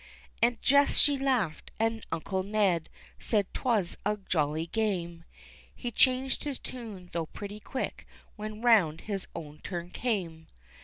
Aunt Jess she laughed, and Uncle Ned said 'twas a jolly game, He changed his tune though pretty quick when round his own turn came.